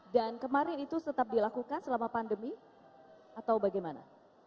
dan kemarin itu tetap dilakukan selama pandemi atau bagaimana